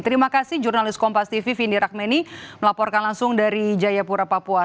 terima kasih jurnalis kompas tv vindi rakmeni melaporkan langsung dari jayapura papua